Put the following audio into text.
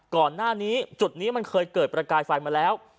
ก่อนหน้านี้จุดนี้มันเคยเกิดประกายไฟมาแล้ว